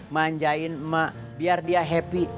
manjain emak biar dia happy